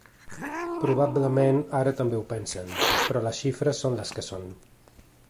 Probablement ara també ho pensen, però les xifres són les que són.